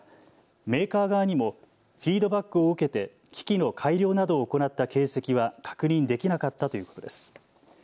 メーカー側にもフィードバックを受けて機器の改良などを行った形跡は確認できなかったということです。